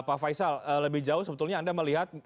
pak faisal lebih jauh sebetulnya anda melihat